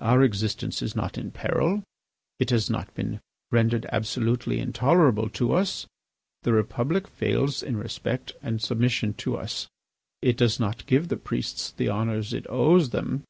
Our existence is not in peril. It has not been rendered absolutely intolerable to us. The Republic fails in respect and submission to us; it does not give the priests the honours it owes them.